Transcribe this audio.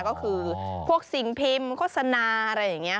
ก็คือพวกสิ่งพิมพ์โฆษณาอะไรอย่างนี้